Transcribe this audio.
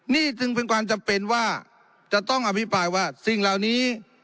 นี่จึงเป็นความจำเป็นว่าจะต้องอภิปรายว่าสิ่งเหล่านี้